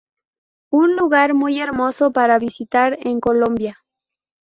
Un lugar muy hermoso para visitar en Colombia.